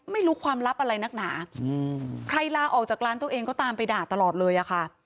ไม่รู้ความลับอะไรนักหนาใครลาออกจากร้านตัวเองก็ตามไปด่าตลอดเลยอะค่ะ